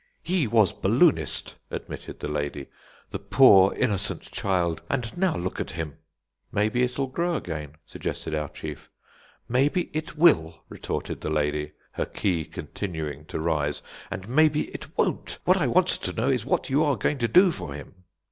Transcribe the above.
"He was 'Balloonist,'" admitted the lady, "the poor innocent child, and now look at him!" "Maybe it'll grow again," suggested our chief. "Maybe it will," retorted the lady, her key continuing to rise, "and maybe it won't. What I want to know is what you are going to do for him."